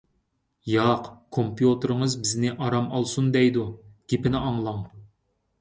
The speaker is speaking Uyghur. ياق، كومپيۇتېرىڭىز بىزنى ئارام ئالسۇن دەيدۇ، گېپىنى ئاڭلاڭ.